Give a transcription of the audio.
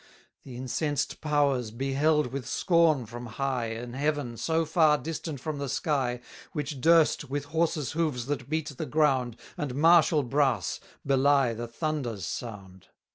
The incensed powers beheld with scorn from high An heaven so far distant from the sky, Which durst, with horses' hoofs that beat the ground, And martial brass, belie the thunder's sound.